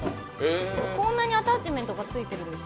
こんなにアタッチメントがついているんです。